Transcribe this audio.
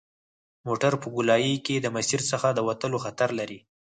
موټر په ګولایي کې د مسیر څخه د وتلو خطر لري